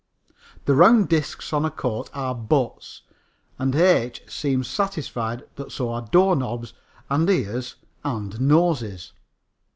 The round disks on a coat are "buts," and H. seems satisfied that so are doorknobs and ears and noses.